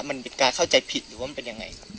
มันเป็นการเข้าใจผิดหรือว่ามันเป็นยังไง